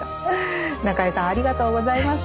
中江さんありがとうございました。